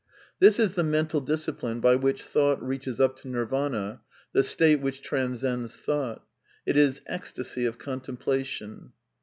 This is the mental discipline by which thought reaches up to Nirvana, the state which transcends thought. It is " ecstasy of contemplation."